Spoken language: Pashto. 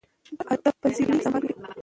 د ادب په زیور یې سمبال کړو.